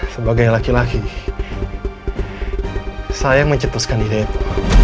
sebagai laki laki saya yang mencetuskan ide itu